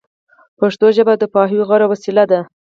پښتو ژبه د پوهاوي غوره وسیله ده